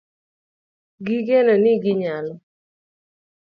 Gi geno ni ginyalo